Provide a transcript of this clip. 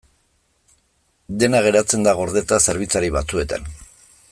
Dena geratzen da gordeta zerbitzari batzuetan.